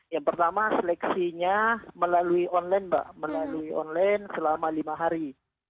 yang pertama seleksinya melalui online mbak melalui online selama lima hari